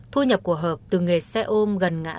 thu nhập của hợp từ nghề xe ôm gần ngã